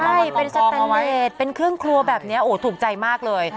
ใช่เป็นสแตนเวทเป็นเครื่องครัวแบบนี้โอ้โหถูกใจมากเลย